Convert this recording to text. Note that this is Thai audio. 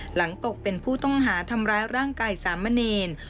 ตกเป็นผู้ต้องหาทำร้ายร่างกายสามเณร